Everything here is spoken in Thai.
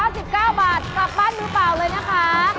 ๙๙บาทกลับบ้านมือเปล่าเลยนะคะ